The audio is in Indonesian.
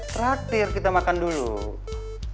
traktir kita makan dulu oke